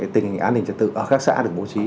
tình hình an ninh trật tự ở các xã được bố trí